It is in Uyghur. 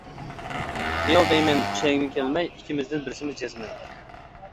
خىيال دەيمەن ئىشەنگۈم كەلمەي ئىككىمىزدىن بىرسىمىز جەزمەن.